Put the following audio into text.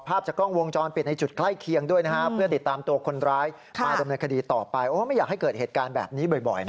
อยากให้เจ็บคนร้ายได้